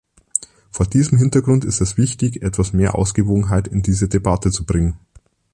Vor diesem Hintergrund ist es wichtig, etwas mehr Ausgewogenheit in diese Debatte zu bringen.